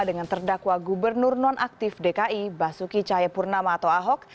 dengan terdakwa gubernur nonaktif dki basuki cahayapurnama atau ahok